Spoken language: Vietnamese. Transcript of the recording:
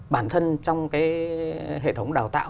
bản thân trong cái hệ thống đào tạo